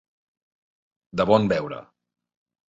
De bon veure.